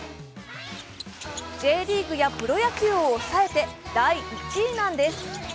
Ｊリーグやプロ野球を抑えて第１位なんです。